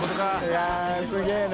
いやすげぇな。